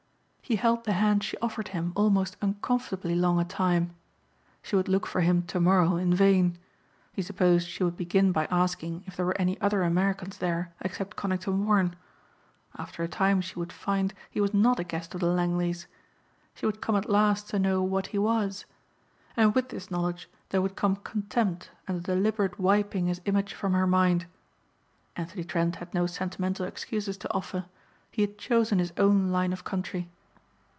He held the hand she offered him almost uncomfortably long a time. She would look for him tomorrow in vain. He supposed she would begin by asking if there were any other Americans there except Conington Warren. After a time she would find he was not a guest of the Langleys. She would come at last to know what he was. And with this knowledge there would come contempt and a deliberate wiping his image from her mind. Anthony Trent had no sentimental excuses to offer. He had chosen his own line of country.